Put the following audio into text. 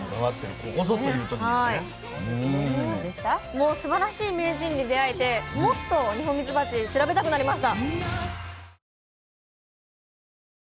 もうすばらしい名人に出会えてもっとニホンミツバチ調べたくなりました。